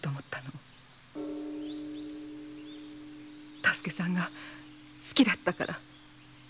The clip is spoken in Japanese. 多助さんが好きだったから。